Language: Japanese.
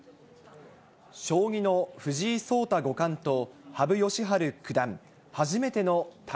将棋の藤井聡太五冠と羽生善